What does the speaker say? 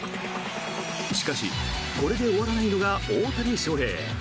しかし、これで終わらないのが大谷翔平。